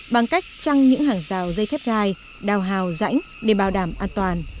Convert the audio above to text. bằng cách trăng những hàng rào dây thép gai đào hào rãnh để bảo đảm an toàn